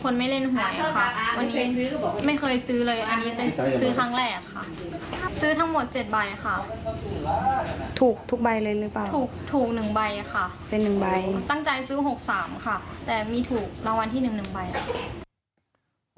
เป็น๑ใบค่ะตั้งใจซื้อ๖๓ค่ะแต่มีถูกรางวัลที่นึง๑ใบค่ะ